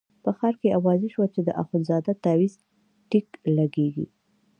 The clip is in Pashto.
په ښار کې اوازه شوه چې د اخندزاده تاویز ټیک لګېږي.